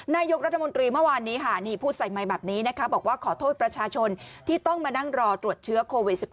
นายกฤษรัฐมนตรีเมื่อวานนี้ถามมาบอกว่าขอโทษประชาชนที่ต้องมานั่งรอตรวจเชื้อโควิด๑๙